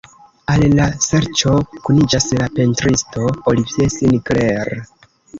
Al la serĉo kuniĝas la pentristo Olivier Sinclair.